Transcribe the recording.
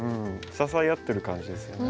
支え合ってる感じですよね。